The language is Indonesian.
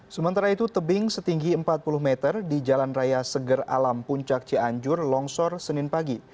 sementara itu tebing setinggi empat puluh meter di jalan raya seger alam puncak cianjur longsor senin pagi